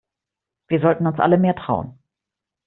Wir sollten uns alle mehr trauen.